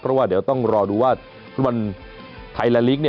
เพราะว่าเดี๋ยวต้องรอดูว่าฟุตบอลไทยและลีก